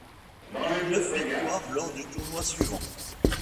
Il eut neuf victoires lors du tournoi suivant.